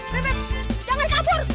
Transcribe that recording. beb jangan kabur